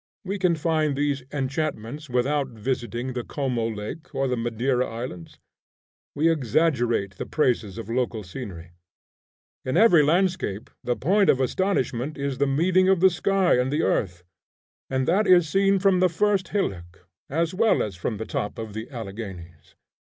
We can find these enchantments without visiting the Como Lake, or the Madeira Islands. We exaggerate the praises of local scenery. In every landscape the point of astonishment is the meeting of the sky and the earth, and that is seen from the first hillock as well as from the top of the Alleghanies.